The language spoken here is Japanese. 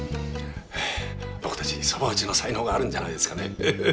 僕たち蕎麦打ちの才能があるんじゃないですかね。